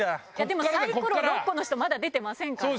でもサイコロ６個の人まだ出てませんから。